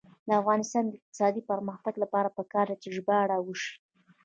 د افغانستان د اقتصادي پرمختګ لپاره پکار ده چې ژباړه وشي.